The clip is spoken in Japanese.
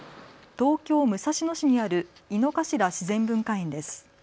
東京武蔵野市にある井の頭自然文化園です。